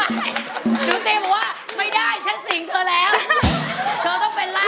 เธอต้องเป็นร่านให้ฉัน